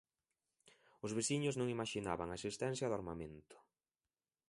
Os veciños non imaxinaban a existencia do armamento.